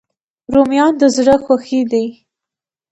رومیان د زړه خوښي دي